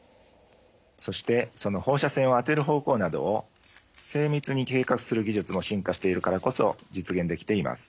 そしてその放射線を当てる方向などを精密に計画する技術も進化しているからこそ実現できています。